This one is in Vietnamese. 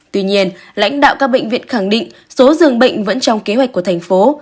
tuy nhiên lãnh đạo các bệnh viện khẳng định số dường bệnh vẫn trong kế hoạch của thành phố